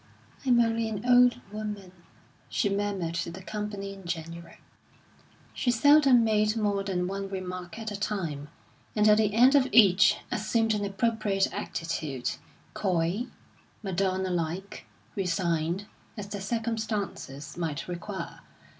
"I'm only an old woman," she murmured to the company in general. She seldom made more than one remark at a time, and at the end of each assumed an appropriate attitude coy, Madonna like, resigned, as the circumstances might require.